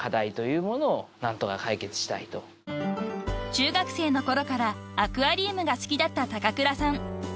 ［中学生の頃からアクアリウムが好きだった高倉さん］